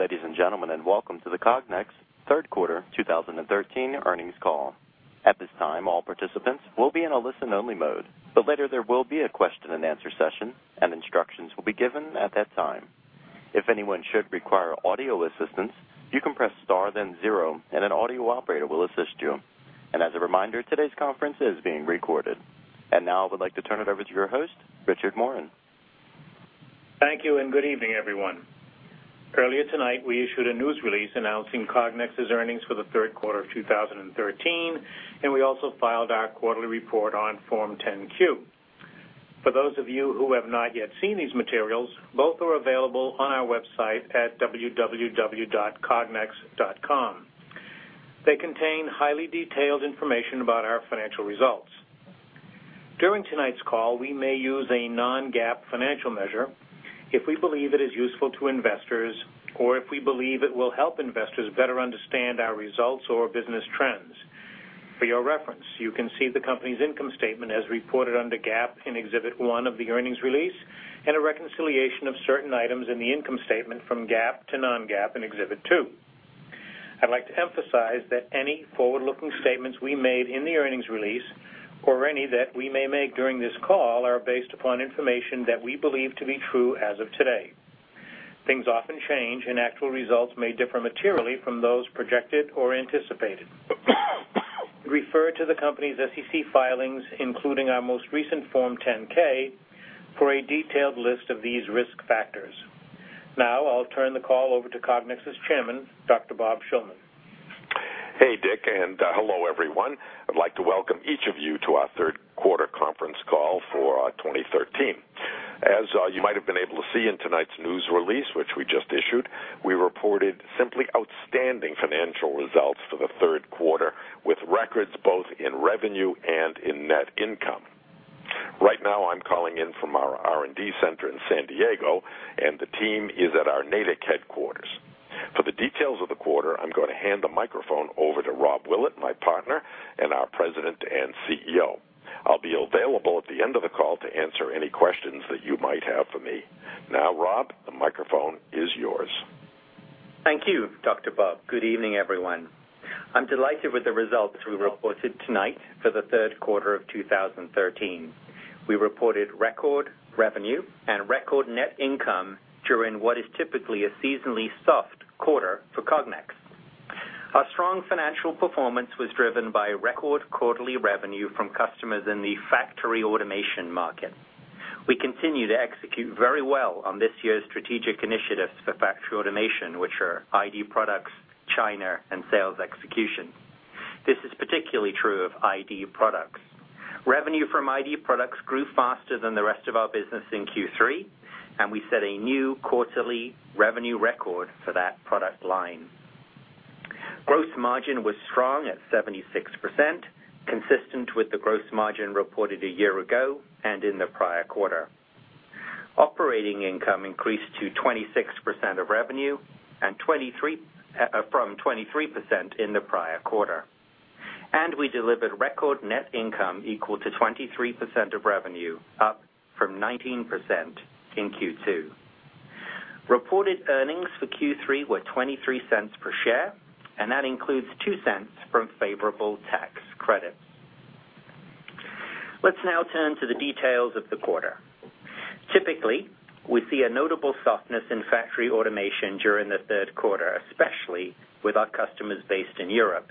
Good day, ladies and gentlemen, and welcome to the Cognex third quarter 2013 Earnings Call. At this time, all participants will be in a listen-only mode, but later there will be a question-and-answer session, and instructions will be given at that time. If anyone should require audio assistance, you can press star, then zero, and an audio operator will assist you. As a reminder, today's conference is being recorded. Now I would like to turn it over to your host, Richard Morin. Thank you, and good evening, everyone. Earlier tonight, we issued a news release announcing Cognex's earnings for the Third Quarter of 2013, and we also filed our quarterly report on Form 10-Q. For those of you who have not yet seen these materials, both are available on our website at www.cognex.com. They contain highly detailed information about our financial results. During tonight's call, we may use a non-GAAP financial measure if we believe it is useful to investors, or if we believe it will help investors better understand our results or business trends. For your reference, you can see the company's income statement as reported under GAAP in Exhibit 1 of the earnings release, and a reconciliation of certain items in the income statement from GAAP to non-GAAP in Exhibit 2. I'd like to emphasize that any forward-looking statements we made in the earnings release, or any that we may make during this call, are based upon information that we believe to be true as of today. Things often change, and actual results may differ materially from those projected or anticipated. Refer to the company's SEC filings, including our most recent Form 10-K, for a detailed list of these risk factors. Now I'll turn the call over to Cognex's chairman, Dr. Bob Shillman. Hey, Dick, and hello, everyone. I'd like to welcome each of you to our third quarter conference call for 2013. As you might have been able to see in tonight's news release, which we just issued, we reported simply outstanding financial results for the third quarter, with records both in revenue and in net income. Right now, I'm calling in from our R&D center in San Diego, and the team is at our Natick headquarters. For the details of the quarter, I'm going to hand the microphone over to Rob Willett, my partner, and our President and CEO. I'll be available at the end of the call to answer any questions that you might have for me. Now, Rob, the microphone is yours. Thank you, Dr. Bob. Good evening, everyone. I'm delighted with the results we reported tonight for the third quarter of 2013. We reported record revenue and record net income during what is typically a seasonally soft quarter for Cognex. Our strong financial performance was driven by record quarterly revenue from customers in the factory automation market. We continue to execute very well on this year's strategic initiatives for factory automation, which are ID products, China, and sales execution. This is particularly true of ID products. Revenue from ID products grew faster than the rest of our business in Q3, and we set a new quarterly revenue record for that product line. Gross margin was strong at 76%, consistent with the gross margin reported a year ago and in the prior quarter. Operating income increased to 26% of revenue from 23% in the prior quarter. We delivered record net income equal to 23% of revenue, up from 19% in Q2. Reported earnings for Q3 were $0.23 per share, and that includes $0.02 from favorable tax credits. Let's now turn to the details of the quarter. Typically, we see a notable softness in factory automation during the third quarter, especially with our customers based in Europe.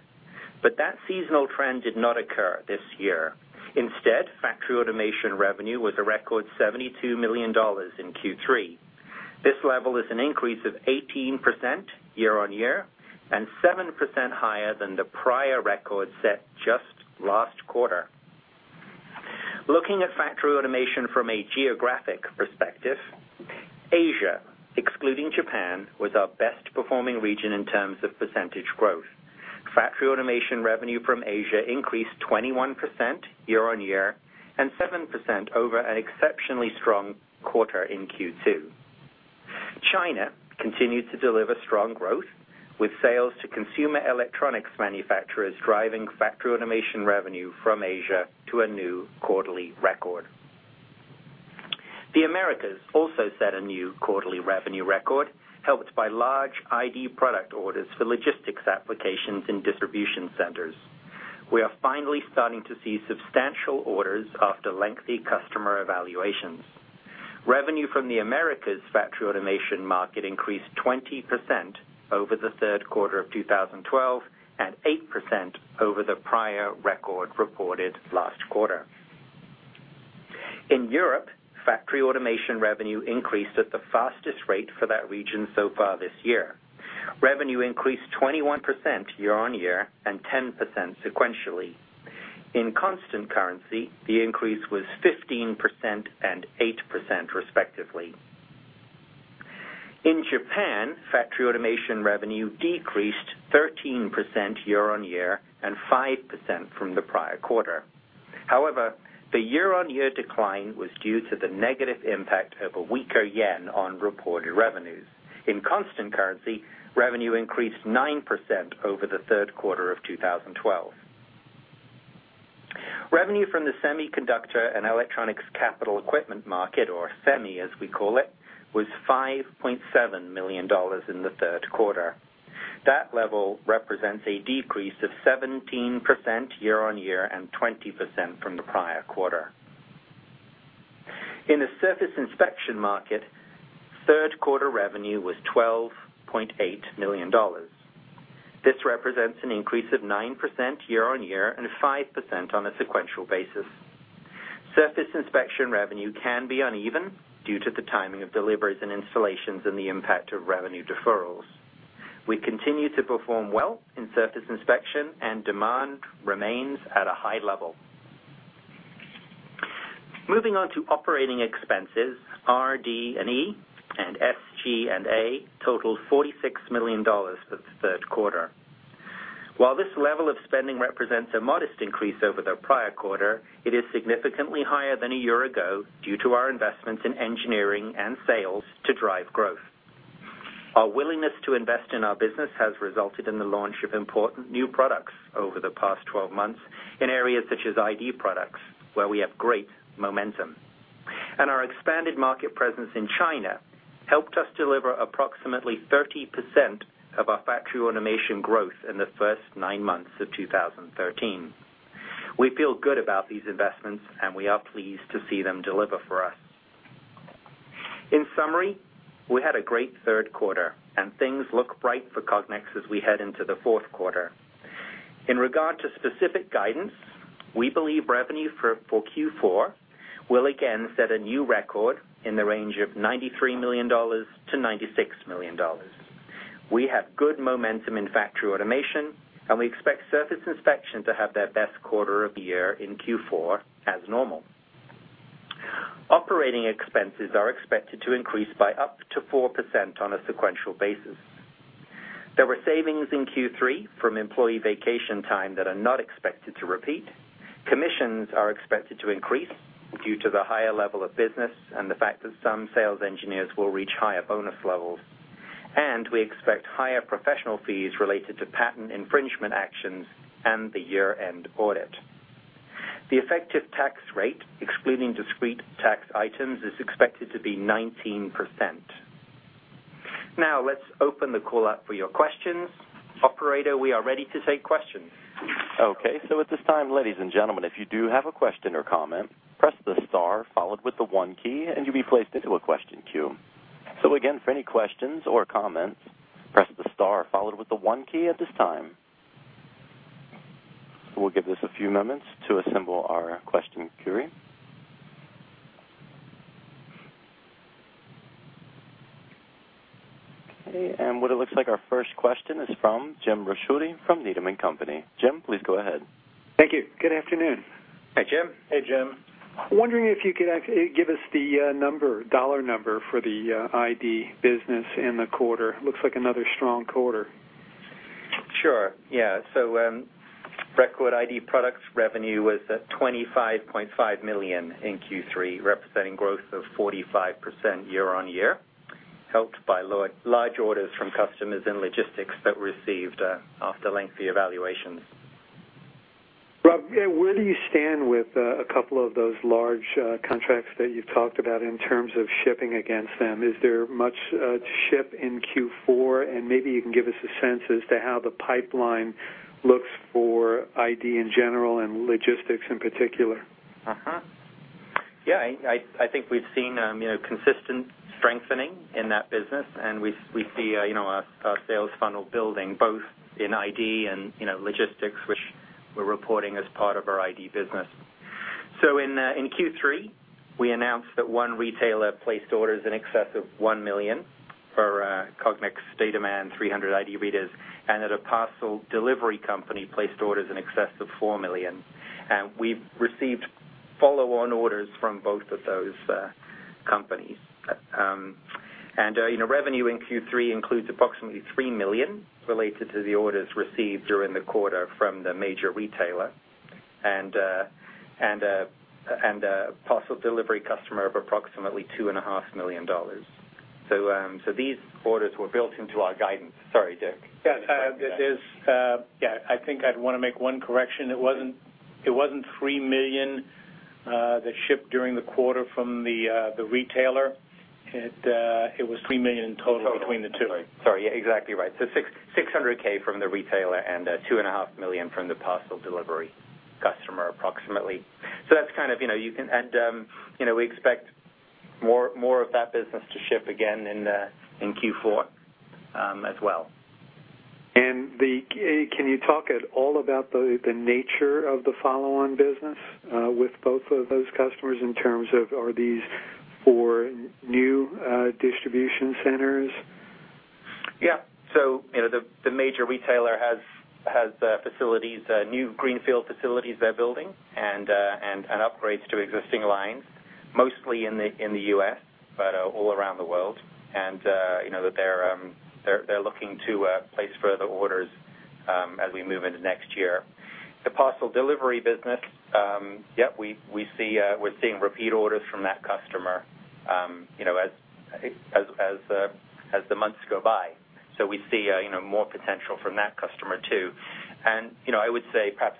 But that seasonal trend did not occur this year. Instead, factory automation revenue was a record $72 million in Q3. This level is an increase of 18% year-over-year and 7% higher than the prior record set just last quarter. Looking at factory automation from a geographic perspective, Asia, excluding Japan, was our best-performing region in terms of percentage growth. Factory automation revenue from Asia increased 21% year-over-year and 7% over an exceptionally strong quarter in Q2. China continued to deliver strong growth, with sales to consumer electronics manufacturers driving factory automation revenue from Asia to a new quarterly record. The Americas also set a new quarterly revenue record, helped by large ID product orders for logistics applications in distribution centers. We are finally starting to see substantial orders after lengthy customer evaluations. Revenue from the Americas' factory automation market increased 20% over the third quarter of 2012 and 8% over the prior record reported last quarter. In Europe, factory automation revenue increased at the fastest rate for that region so far this year. Revenue increased 21% year-on-year and 10% sequentially. In constant currency, the increase was 15% and 8%, respectively. In Japan, factory automation revenue decreased 13% year-on-year and 5% from the prior quarter. However, the year-on-year decline was due to the negative impact of a weaker yen on reported revenues. In constant currency, revenue increased 9% over the third quarter of 2012. Revenue from the semiconductor and electronics capital equipment market, or SEMI as we call it, was $5.7 million in the third quarter. That level represents a decrease of 17% year-on-year and 20% from the prior quarter. In the surface inspection market, third quarter revenue was $12.8 million. This represents an increase of 9% year-on-year and 5% on a sequential basis. Surface inspection revenue can be uneven due to the timing of deliveries and installations and the impact of revenue deferrals. We continue to perform well in surface inspection, and demand remains at a high level. Moving on to operating expenses, RD&E and SG&A totaled $46 million for the third quarter. While this level of spending represents a modest increase over the prior quarter, it is significantly higher than a year ago due to our investments in engineering and sales to drive growth. Our willingness to invest in our business has resulted in the launch of important new products over the past 12 months in areas such as ID products, where we have great momentum. Our expanded market presence in China helped us deliver approximately 30% of our factory automation growth in the first 9 months of 2013. We feel good about these investments, and we are pleased to see them deliver for us. In summary, we had a great third quarter, and things look bright for Cognex as we head into the fourth quarter. In regard to specific guidance, we believe revenue for Q4 will again set a new record in the range of $93 million-$96 million. We have good momentum in Factory Automation, and we expect Surface Inspection to have their best quarter of the year in Q4 as normal. Operating expenses are expected to increase by up to 4% on a sequential basis. There were savings in Q3 from employee vacation time that are not expected to repeat. Commissions are expected to increase due to the higher level of business and the fact that some sales engineers will reach higher bonus levels. We expect higher professional fees related to patent infringement actions and the year-end audit. The effective tax rate, excluding discrete tax items, is expected to be 19%. Now let's open the call up for your questions. Operator, we are ready to take questions. Okay. So at this time, ladies and gentlemen, if you do have a question or comment, press the star followed with the one key, and you'll be placed into a question queue. So again, for any questions or comments, press the star followed with the one key at this time. We'll give this a few moments to assemble our question queuing. Okay. And what it looks like our first question is from Jim Ricchiuti from Needham & Company. Jim, please go ahead. Thank you. Good afternoon. Hey, Jim. Hey, Jim. Wondering if you could give us the dollar number for the ID business in the quarter? Looks like another strong quarter. Sure. Yeah. So record ID products revenue was at $25.5 million in Q3, representing growth of 45% year-on-year, helped by large orders from customers in logistics that were received after lengthy evaluations. Rob, where do you stand with a couple of those large contracts that you've talked about in terms of shipping against them? Is there much to ship in Q4? And maybe you can give us a sense as to how the pipeline looks for ID in general and logistics in particular. Yeah. I think we've seen consistent strengthening in that business, and we see our sales funnel building both in ID and logistics, which we're reporting as part of our ID business. So in Q3, we announced that one retailer placed orders in excess of 1 million for Cognex DataMan 300 ID readers, and that a parcel delivery company placed orders in excess of 4 million. And we've received follow-on orders from both of those companies. And revenue in Q3 includes approximately $3 million related to the orders received during the quarter from the major retailer and a parcel delivery customer of approximately $2.5 million. So these orders were built into our guidance. Sorry, Dick. Yeah. I think I'd want to make one correction. It wasn't 3 million that shipped during the quarter from the retailer. It was 3 million in total between the two. Sorry. Sorry. Yeah. Exactly right. So $600,000 from the retailer and $2.5 million from the parcel delivery customer approximately. So that's kind of you can and we expect more of that business to ship again in Q4 as well. Can you talk at all about the nature of the follow-on business with both of those customers in terms of are these for new distribution centers? Yeah. So the major retailer has facilities, new greenfield facilities they're building and upgrades to existing lines, mostly in the U.S., but all around the world. And they're looking to place further orders as we move into next year. The parcel delivery business, yeah, we're seeing repeat orders from that customer as the months go by. So we see more potential from that customer too. And I would say perhaps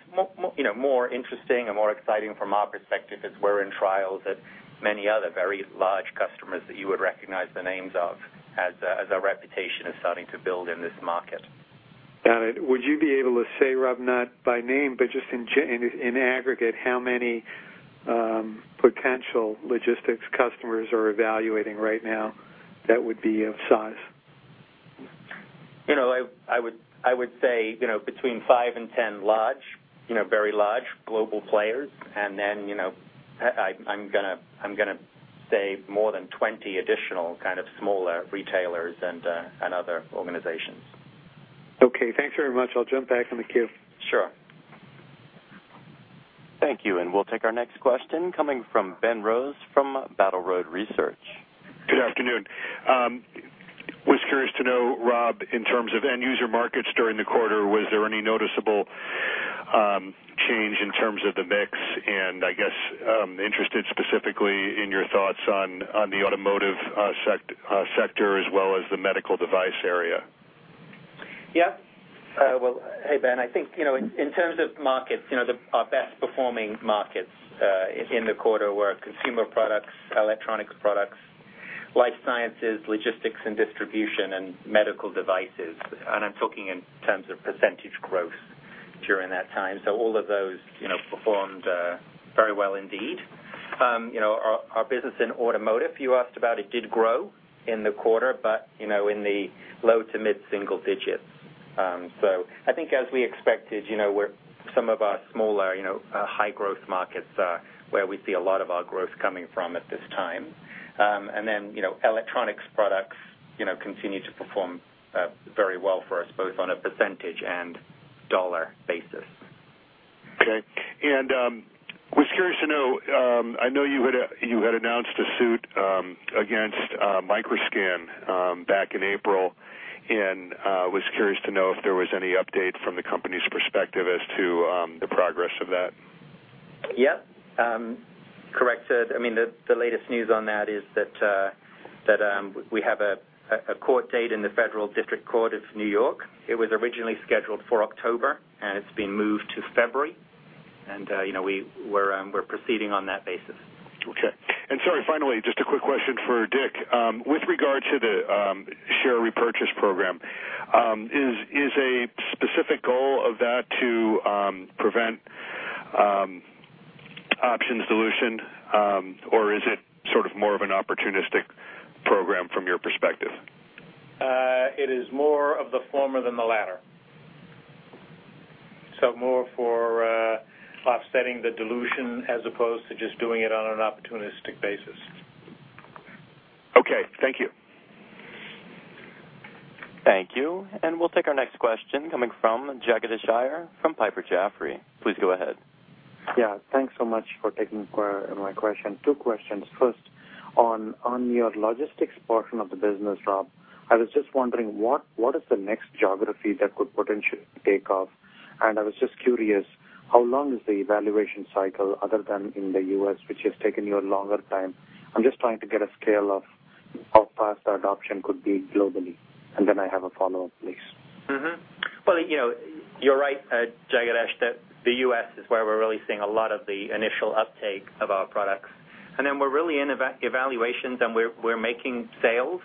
more interesting and more exciting from our perspective is we're in trials at many other very large customers that you would recognize the names of as our reputation is starting to build in this market. Got it. Would you be able to say, Rob, not by name, but just in aggregate, how many potential logistics customers are evaluating right now that would be of size? I would say between 5 and 10 large, very large global players. And then I'm going to say more than 20 additional kind of smaller retailers and other organizations. Okay. Thanks very much. I'll jump back in the queue. Sure. Thank you. We'll take our next question coming from Ben Rose from Battle Road Research. Good afternoon. I was curious to know, Rob, in terms of end-user markets during the quarter, was there any noticeable change in terms of the mix? I guess interested specifically in your thoughts on the automotive sector as well as the medical device area? Yeah. Well, hey, Ben, I think in terms of markets, our best-performing markets in the quarter were consumer products, electronics products, life sciences, logistics and distribution, and medical devices. I'm talking in terms of percentage growth during that time. All of those performed very well indeed. Our business in automotive, you asked about, it did grow in the quarter, but in the low to mid-single digits. I think as we expected, some of our smaller high-growth markets are where we see a lot of our growth coming from at this time. Then electronics products continue to perform very well for us, both on a percentage and dollar basis. Okay. And I was curious to know, I know you had announced a suit against Microscan back in April, and I was curious to know if there was any update from the company's perspective as to the progress of that? Yeah. Corrected. I mean, the latest news on that is that we have a court date in the Federal District Court of New York. It was originally scheduled for October, and it's been moved to February. And we're proceeding on that basis. Okay. Sorry, finally, just a quick question for Dick. With regard to the share repurchase program, is a specific goal of that to prevent option dilution, or is it sort of more of an opportunistic program from your perspective? It is more of the former than the latter. So more for offsetting the dilution as opposed to just doing it on an opportunistic basis. Okay. Thank you. Thank you. We'll take our next question coming from Jagadish Iyer from Piper Jaffray. Please go ahead. Yeah. Thanks so much for taking my question. Two questions. First, on your logistics portion of the business, Rob, I was just wondering what is the next geography that could potentially take off? And I was just curious, how long is the evaluation cycle other than in the U.S., which has taken you a longer time? I'm just trying to get a scale of how fast adoption could be globally. And then I have a follow-up, please. Well, you're right, Jagadish, that the U.S. is where we're really seeing a lot of the initial uptake of our products. And then we're really in evaluations, and we're making sales,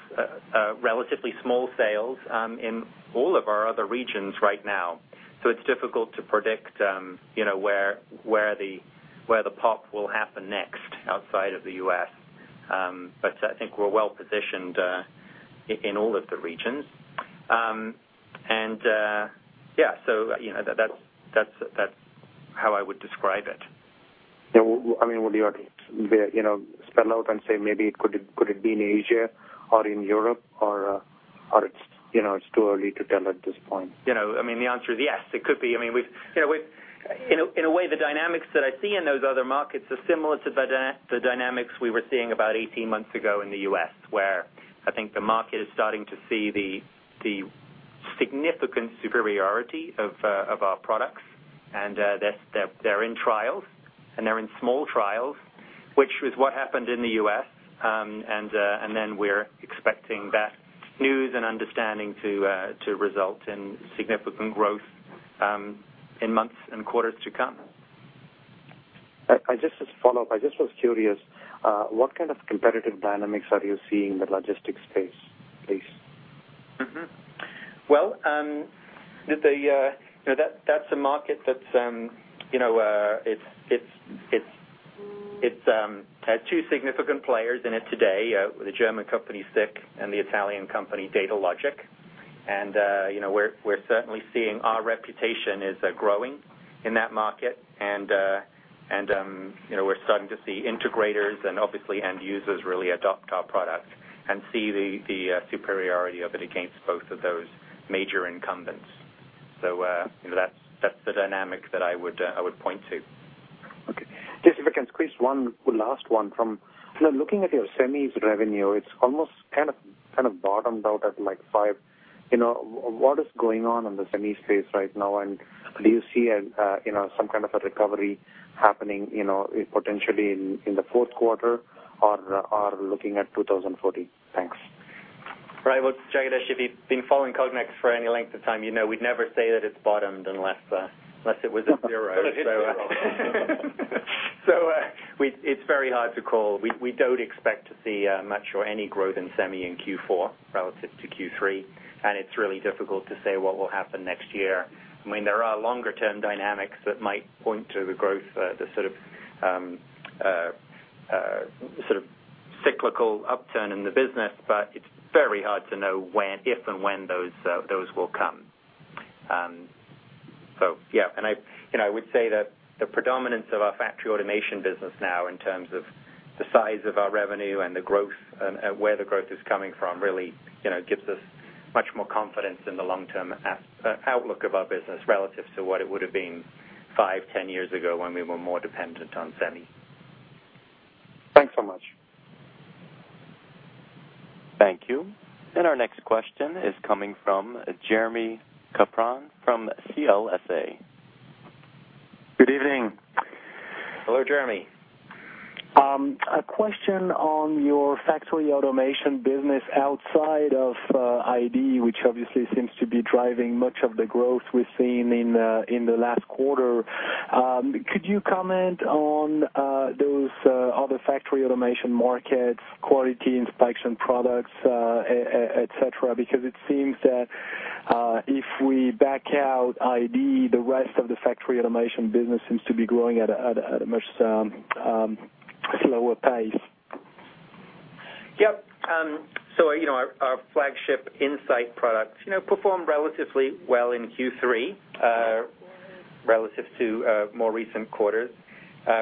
relatively small sales, in all of our other regions right now. So it's difficult to predict where the pop will happen next outside of the U.S. But I think we're well positioned in all of the regions. And yeah, so that's how I would describe it. Yeah. I mean, would you spell out and say maybe it could be in Asia or in Europe, or it's too early to tell at this point? I mean, the answer is yes, it could be. I mean, in a way, the dynamics that I see in those other markets are similar to the dynamics we were seeing about 18 months ago in the U.S., where I think the market is starting to see the significant superiority of our products. And they're in trials, and they're in small trials, which was what happened in the U.S. And then we're expecting that news and understanding to result in significant growth in months and quarters to come. Just as a follow-up, I just was curious, what kind of competitive dynamics are you seeing in the logistics space, please? Well, that's a market that's had two significant players in it today, the German company SICK and the Italian company Datalogic. And we're certainly seeing our reputation is growing in that market. And we're starting to see integrators and obviously end users really adopt our product and see the superiority of it against both of those major incumbents. So that's the dynamic that I would point to. Okay. Just if I can squeeze one last one from looking at your semis revenue, it's almost kind of bottomed out at like $5. What is going on in the semi space right now? And do you see some kind of a recovery happening potentially in the fourth quarter or looking at 2014? Thanks. Right. Well, Jagadish, if you've been following Cognex for any length of time, you know we'd never say that it's bottomed unless it was a zero. So it's very hard to call. We don't expect to see much or any growth in semi in Q4 relative to Q3. And it's really difficult to say what will happen next year. I mean, there are longer-term dynamics that might point to the growth, the sort of cyclical upturn in the business, but it's very hard to know if and when those will come. So yeah. I would say that the predominance of our factory automation business now in terms of the size of our revenue and where the growth is coming from really gives us much more confidence in the long-term outlook of our business relative to what it would have been 5, 10 years ago when we were more dependent on semi. Thanks so much. Thank you. Our next question is coming from Jeremy Capron from CLSA. Good evening. Hello, Jeremy. A question on your factory automation business outside of ID, which obviously seems to be driving much of the growth we've seen in the last quarter. Could you comment on those other factory automation markets, quality inspection products, etc.? Because it seems that if we back out ID, the rest of the factory automation business seems to be growing at a much slower pace. Yep. So our flagship In-Sight products performed relatively well in Q3 relative to more recent quarters,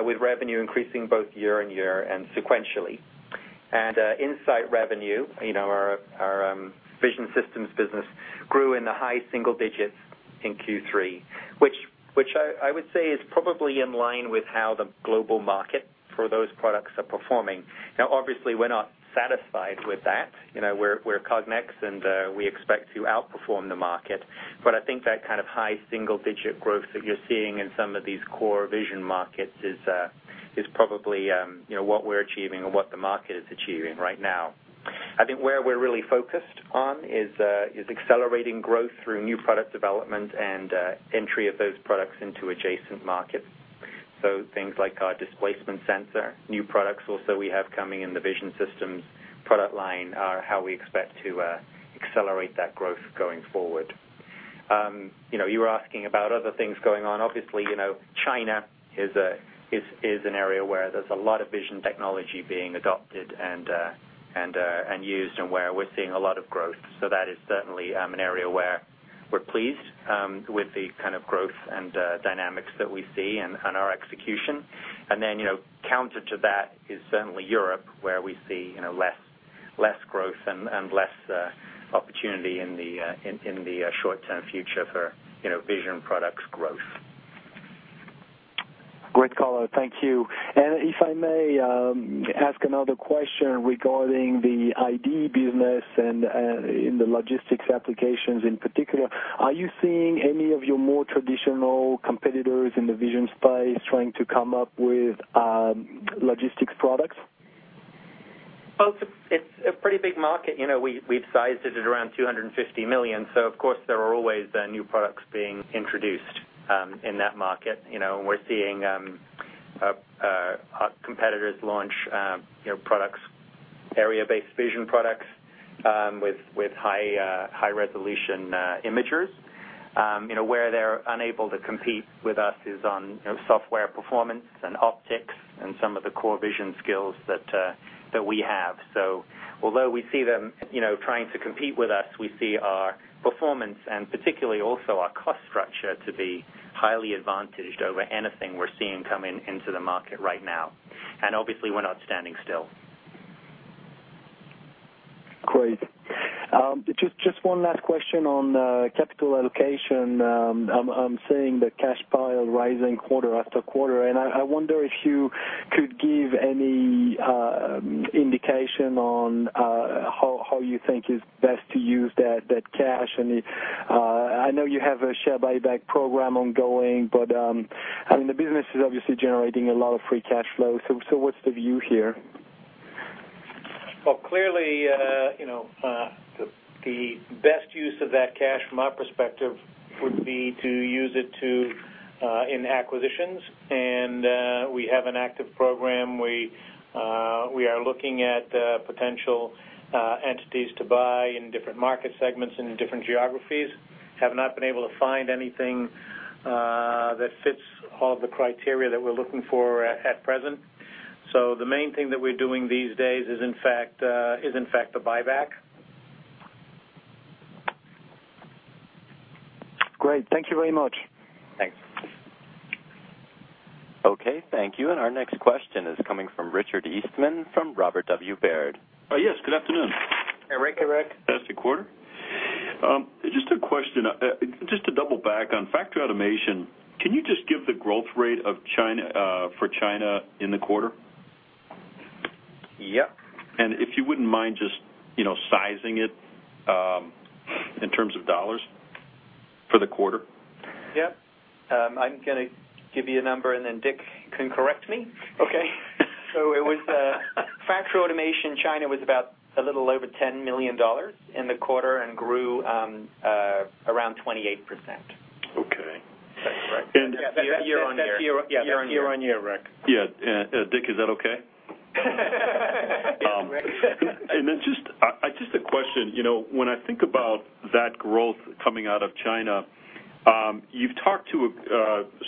with revenue increasing both year-over-year and sequentially. In-Sight revenue, our vision systems business, grew in the high single digits in Q3, which I would say is probably in line with how the global market for those products are performing. Now, obviously, we're not satisfied with that. We're Cognex, and we expect to outperform the market. But I think that kind of high single-digit growth that you're seeing in some of these core vision markets is probably what we're achieving and what the market is achieving right now. I think where we're really focused on is accelerating growth through new product development and entry of those products into adjacent markets. So things like our displacement sensor, new products also we have coming in the vision systems product line are how we expect to accelerate that growth going forward. You were asking about other things going on. Obviously, China is an area where there's a lot of vision technology being adopted and used and where we're seeing a lot of growth. So that is certainly an area where we're pleased with the kind of growth and dynamics that we see and our execution. And then counter to that is certainly Europe, where we see less growth and less opportunity in the short-term future for vision products growth. Great callout. Thank you. If I may ask another question regarding the ID business and in the logistics applications in particular, are you seeing any of your more traditional competitors in the vision space trying to come up with logistics products? Well, it's a pretty big market. We've sized it at around $250 million. So of course, there are always new products being introduced in that market. We're seeing our competitors launch products, area-based vision products with high-resolution imagers. Where they're unable to compete with us is on software performance and optics and some of the core vision skills that we have. So although we see them trying to compete with us, we see our performance and particularly also our cost structure to be highly advantaged over anything we're seeing come into the market right now. And obviously, we're not standing still. Great. Just one last question on capital allocation. I'm seeing the cash pile rising quarter after quarter. I wonder if you could give any indication on how you think it's best to use that cash. I know you have a share buyback program ongoing, but I mean, the business is obviously generating a lot of free cash flow. What's the view here? Well, clearly, the best use of that cash from our perspective would be to use it in acquisitions. We have an active program. We are looking at potential entities to buy in different market segments in different geographies. Have not been able to find anything that fits all of the criteria that we're looking for at present. The main thing that we're doing these days is, in fact, the buyback. Great. Thank you very much. Thanks. Okay. Thank you. Our next question is coming from Richard Eastman from Robert W. Baird. Yes. Good afternoon. Hey, Rick. Hey, Rick. Last quarter. Just a question. Just to double back on Factory Automation, can you just give the growth rate for China in the quarter? Yep. If you wouldn't mind just sizing it in terms of dollars for the quarter? Yep. I'm going to give you a number, and then Dick can correct me. Okay. It was Factory Automation. China was about a little over $10 million in the quarter and grew around 28%. Okay. That's correct. Yeah. That's year-over-year. Yeah. Year-over-year. Yeah. Yeah. Yeah. Yeah. Yeah. Yeah. Yeah. Yeah. Yeah. Yeah. Rick. Yeah. Dick, is that okay? Yeah. Rick. Then just a question. When I think about that growth coming out of China, you've talked to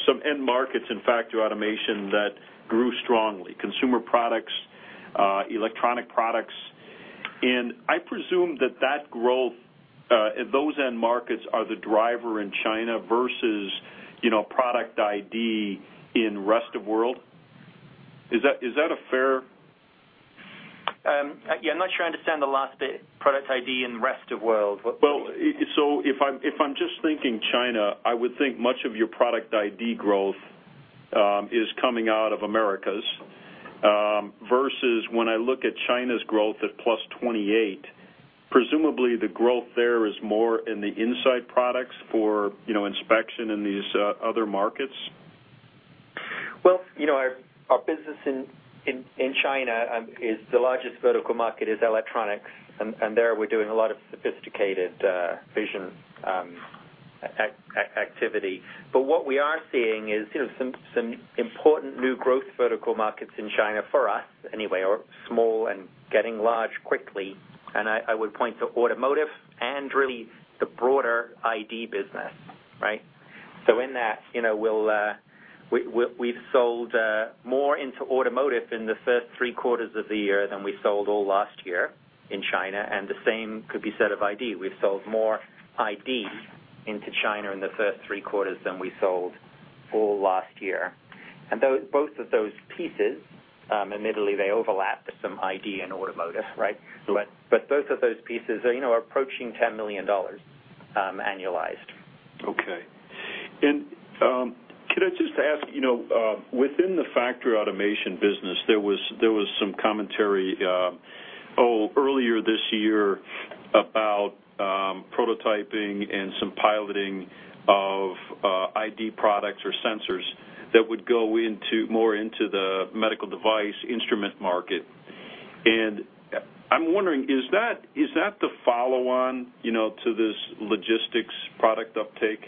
some end markets in factory automation that grew strongly: consumer products, electronic products. And I presume that that growth, those end markets are the driver in China versus product ID in rest of world. Is that a fair? Yeah. I'm not sure I understand the last bit. Product ID in rest of world. Well, so if I'm just thinking China, I would think much of your ID product growth is coming out of Americas versus when I look at China's growth at +28%, presumably the growth there is more in the In-Sight products for inspection in these other markets. Well, our business in China is the largest vertical market, electronics. And there we're doing a lot of sophisticated vision activity. But what we are seeing is some important new growth vertical markets in China for us anyway, are small and getting large quickly. And I would point to automotive and really the broader ID business, right? So in that, we've sold more into automotive in the first three quarters of the year than we sold all last year in China. And the same could be said of ID. We've sold more ID into China in the first three quarters than we sold all last year. And both of those pieces, admittedly, they overlap with some ID in automotive, right? But both of those pieces are approaching $10 million annualized. Okay. Can I just ask, within the factory automation business, there was some commentary earlier this year about prototyping and some piloting of ID products or sensors that would go more into the medical device instrument market. I'm wondering, is that the follow-on to this logistics product uptake?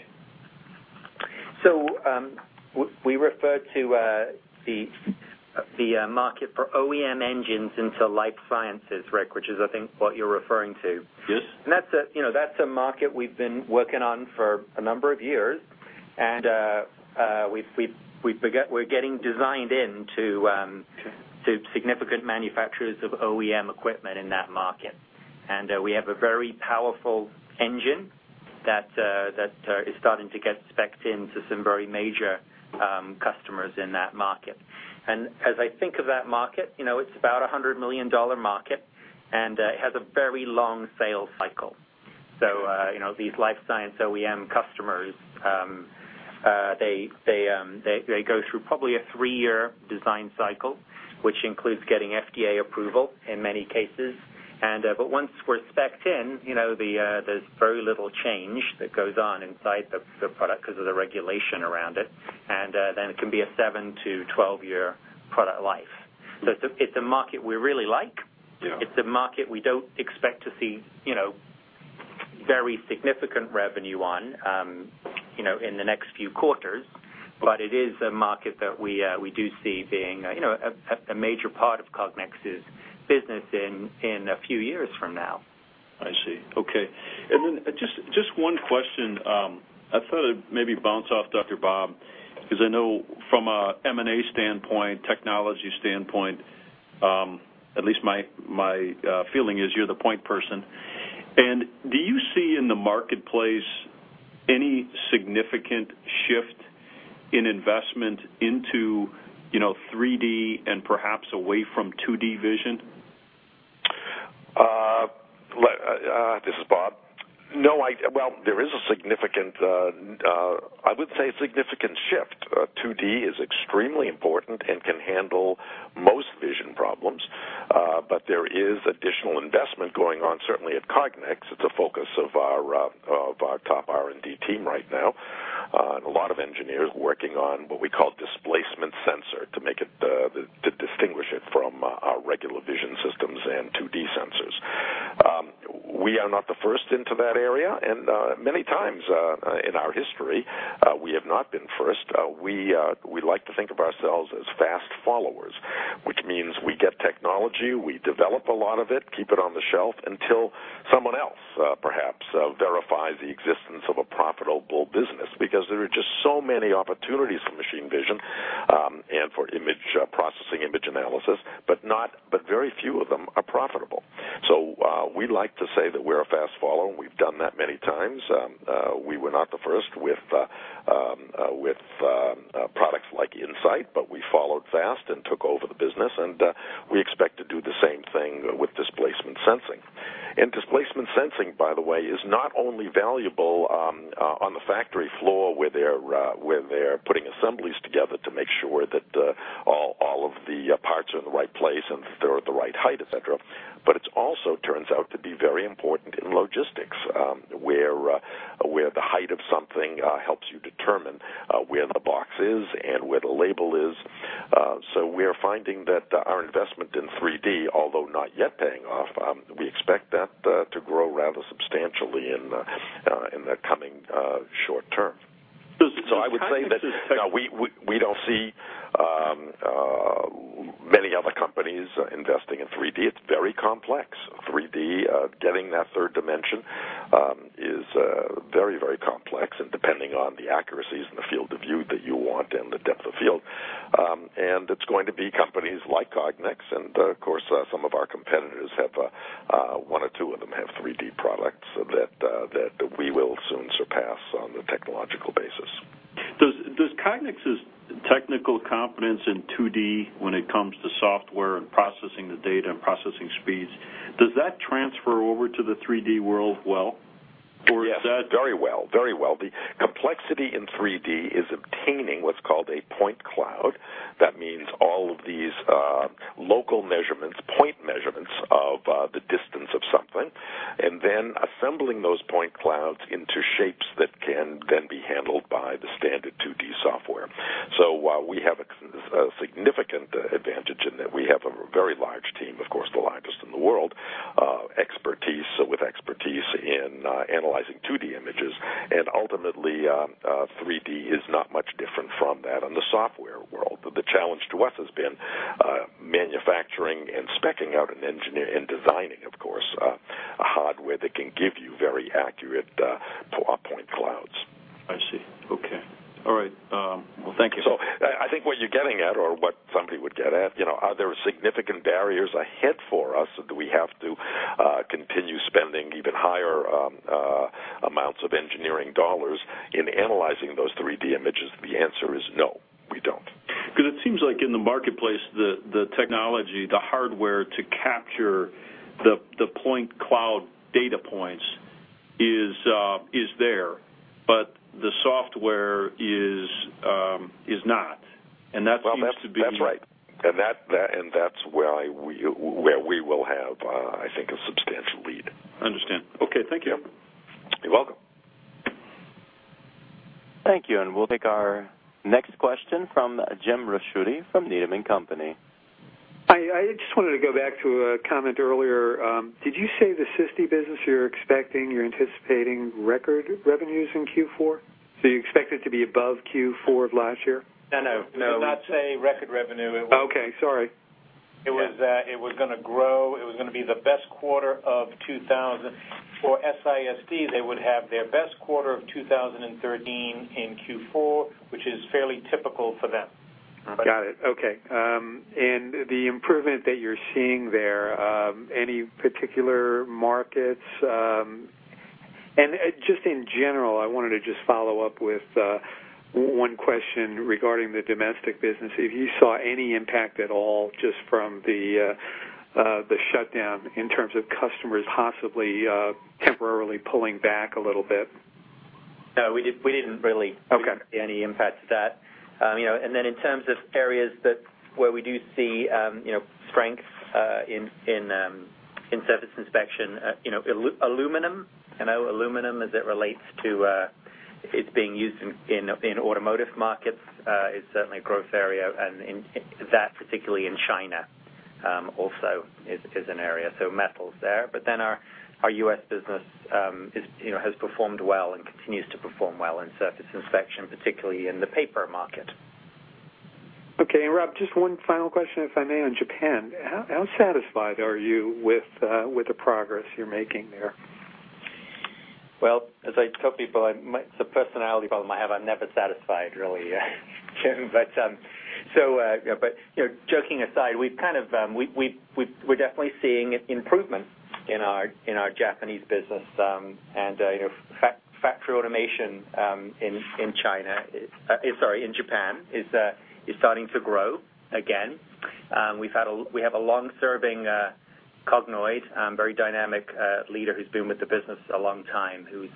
We refer to the market for OEM engines into life sciences, Rick, which is, I think, what you're referring to. Yes. That's a market we've been working on for a number of years. We're getting designed into significant manufacturers of OEM equipment in that market. We have a very powerful engine that is starting to get specced into some very major customers in that market. As I think of that market, it's about a $100 million market, and it has a very long sales cycle. So these life science OEM customers, they go through probably a 3-year design cycle, which includes getting FDA approval in many cases. But once we're specced in, there's very little change that goes on inside the product because of the regulation around it. Then it can be a 7-12-year product life. So it's a market we really like. It's a market we don't expect to see very significant revenue on in the next few quarters. But it is a market that we do see being a major part of Cognex's business in a few years from now. I see. Okay. And then just one question. I thought I'd maybe bounce off Dr. Bob because I know from an M&A standpoint, technology standpoint, at least my feeling is you're the point person. And do you see in the marketplace any significant shift in investment into 3D and perhaps away from 2D vision? This is Bob. No. Well, there is a significant, I wouldn't say a significant shift. 2D is extremely important and can handle most vision problems. But there is additional investment going on, certainly at Cognex. It's a focus of our top R&D team right now. And a lot of engineers are working on what we call displacement sensor to distinguish it from our regular vision systems and 2D sensors. We are not the first into that area. And many times in our history, we have not been first. We like to think of ourselves as fast followers, which means we get technology, we develop a lot of it, keep it on the shelf until someone else perhaps verifies the existence of a profitable business because there are just so many opportunities for machine vision and for processing image analysis, but very few of them are profitable. So we like to say that we're a fast follower. We've done that many times. We were not the first with products like In-Sight, but we followed fast and took over the business. We expect to do the same thing with displacement sensing. Displacement sensing, by the way, is not only valuable on the factory floor where they're putting assemblies together to make sure that all of the parts are in the right place and they're at the right height, etc. But it also turns out to be very important in logistics where the height of something helps you determine where the box is and where the label is. So we're finding that our investment in 3D, although not yet paying off, we expect that to grow rather substantially in the coming short term. So this is technically. So I would say that now we don't see many other companies investing in 3D. It's very complex. 3D, getting that third dimension, is very, very complex and depending on the accuracies and the field of view that you want and the depth of field. And it's going to be companies like Cognex. And of course, some of our competitors, one or two of them, have 3D products that we will soon surpass on the technological basis. Does Cognex's technical competence in 2D when it comes to software and processing the data and processing speeds, does that transfer over to the 3D world well? Or is that? Yes. Very well. Very well. The complexity in 3D is obtaining what's called a point cloud. That means all of these local measurements, point measurements of the distance of something, and then assembling those point clouds into shapes that can then be handled by the standard 2D software. So we have a significant advantage in that we have a very large team, of course, the largest in the world, with expertise in analyzing 2D images. And ultimately, 3D is not much different from that in the software world. The challenge to us has been manufacturing and speccing out and designing, of course, hardware that can give you very accurate point clouds. I see. Okay. All right. Well, thank you. So I think what you're getting at or what somebody would get at, are there significant barriers ahead for us? Do we have to continue spending even higher amounts of engineering dollars in analyzing those 3D images? The answer is no, we don't. Because it seems like in the marketplace, the technology, the hardware to capture the point cloud data points is there, but the software is not. And that seems to be. Well, that's right. That's where we will have, I think, a substantial lead. I understand. Okay. Thank you. You're welcome. Thank you. And we'll take our next question from Jim Ricchiuti from Needham & Company. I just wanted to go back to a comment earlier. Did you say the SIS business, you're expecting, you're anticipating record revenues in Q4? So you expect it to be above Q4 of last year? No. No. No. Not say record revenue. It was. Okay. Sorry. It was going to grow. It was going to be the best quarter of 2000. For SIS, they would have their best quarter of 2013 in Q4, which is fairly typical for them. Got it. Okay. The improvement that you're seeing there, any particular markets? Just in general, I wanted to just follow up with one question regarding the domestic business. If you saw any impact at all just from the shutdown in terms of customers possibly temporarily pulling back a little bit? No. We didn't really see any impact to that. And then in terms of areas where we do see strength in surface inspection, aluminum. And aluminum, as it relates to its being used in automotive markets, is certainly a growth area. And that, particularly in China, also is an area. So metals there. But then our U.S. business has performed well and continues to perform well in surface inspection, particularly in the paper market. Okay. And Rob, just one final question, if I may, on Japan. How satisfied are you with the progress you're making there? Well, as I tell people, it's a personality problem I have. I'm never satisfied, really. But joking aside, we're definitely seeing improvement in our Japanese business. And factory automation in China, sorry, in Japan, is starting to grow again. We have a long-serving Cognoid, very dynamic leader who's been with the business a long time, who's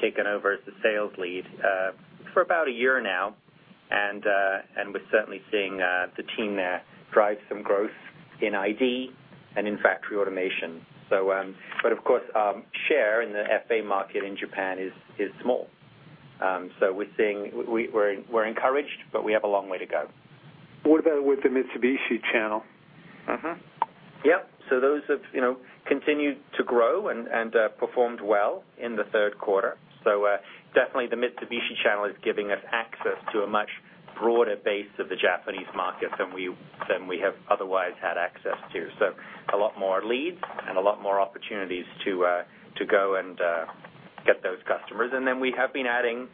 taken over as the sales lead for about a year now. And we're certainly seeing the team there drive some growth in ID and in factory automation. But of course, share in the FA market in Japan is small. So we're encouraged, but we have a long way to go. What about with the Mitsubishi channel? Yep. So those have continued to grow and performed well in the third quarter. So definitely, the Mitsubishi channel is giving us access to a much broader base of the Japanese market than we have otherwise had access to. So a lot more leads and a lot more opportunities to go and get those customers. And then we have been adding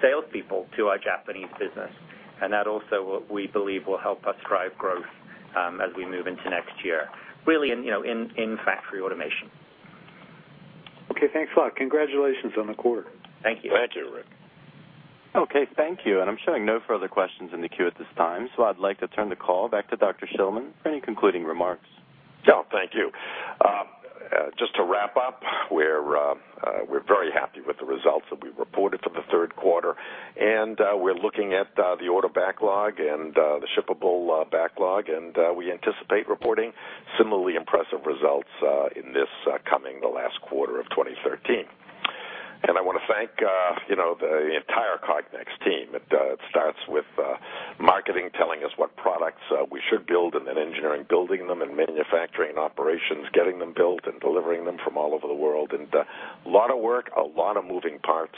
salespeople to our Japanese business. And that also, we believe, will help us drive growth as we move into next year, really in factory automation. Okay. Thanks a lot. Congratulations on the quarter. Thank you. Thank you, Rick. Okay. Thank you. I'm showing no further questions in the queue at this time. I'd like to turn the call back to Dr. Shillman for any concluding remarks. Yeah. Thank you. Just to wrap up, we're very happy with the results that we reported for the third quarter. We're looking at the order backlog and the shippable backlog. We anticipate reporting similarly impressive results in this coming last quarter of 2013. I want to thank the entire Cognex team. It starts with marketing telling us what products we should build and then engineering building them and manufacturing and operations, getting them built and delivering them from all over the world. A lot of work, a lot of moving parts.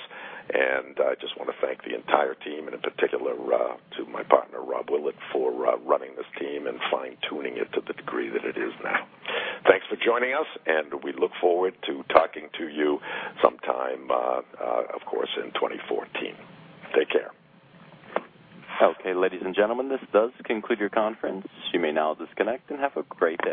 I just want to thank the entire team, and in particular to my partner, Rob Willett, for running this team and fine-tuning it to the degree that it is now. Thanks for joining us. We look forward to talking to you sometime, of course, in 2014. Take care. Okay. Ladies and gentlemen, this does conclude your conference. You may now disconnect and have a great day.